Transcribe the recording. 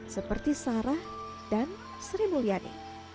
seperti sarah dan sri mulyani